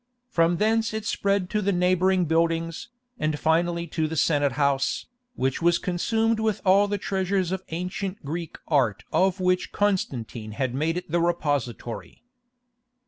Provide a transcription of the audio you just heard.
From thence it spread to the neighbouring buildings, and finally to the Senate house, which was consumed with all the treasures of ancient Greek art of which Constantine had made it the repository.